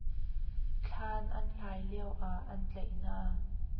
Thlan an hlai lioah an tlaih hna.